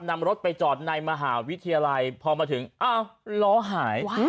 นำรถไปจอดในมหาวิทยาลัยพอมาถึงอ้าวล้อหาย